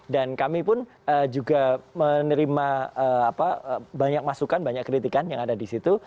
dan kami pun juga menerima banyak masukan banyak kritikan yang ada di situ